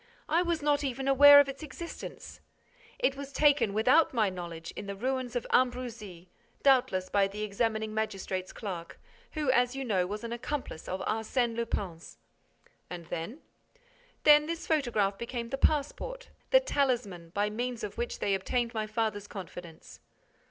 I was not even aware of its existence. It was taken, without my knowledge, in the ruins of Ambrumésy, doubtless by the examining magistrate's clerk, who, as you know, was an accomplice of Arsène Lupin's." "And then?" "Then this photograph became the passport, the talisman, by means of which they obtained my father's confidence."